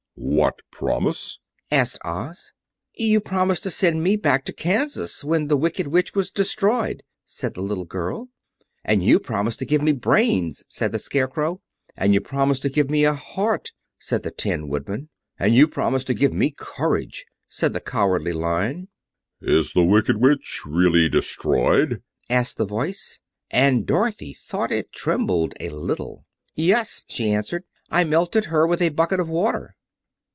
"What promise?" asked Oz. "You promised to send me back to Kansas when the Wicked Witch was destroyed," said the girl. "And you promised to give me brains," said the Scarecrow. "And you promised to give me a heart," said the Tin Woodman. "And you promised to give me courage," said the Cowardly Lion. "Is the Wicked Witch really destroyed?" asked the Voice, and Dorothy thought it trembled a little. "Yes," she answered, "I melted her with a bucket of water."